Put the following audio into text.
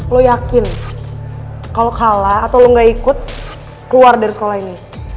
lu yakin kalo kalah atau lu gak ikut keluar dari sekolah ini